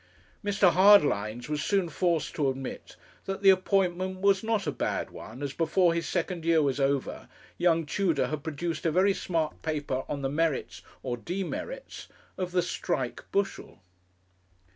Mr. Hardlines was soon forced to admit that the appointment was not a bad one, as before his second year was over, young Tudor had produced a very smart paper on the merits or demerits of the strike bushel.